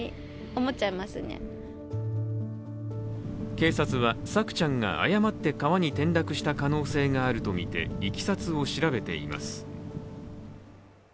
警察は朔ちゃんが誤って川に転落した可能性があるとみていきさつを調べています。